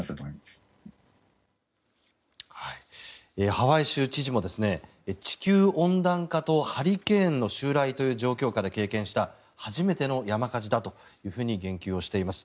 ハワイ州知事も地球温暖化とハリケーンの襲来という状況下で経験した初めての山火事だと言及しています。